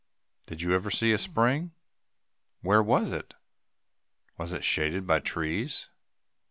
Did you ever see a spring? Where was it? Was it shaded by trees?